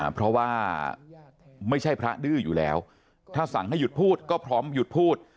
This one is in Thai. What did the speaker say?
เพราะว่าไม่ใช่พระดื้ออยู่แล้วถ้าสั่งให้หยุดพูดก็พร้อมหยุดพูด